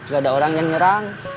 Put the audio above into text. gak ada orang yang nyerang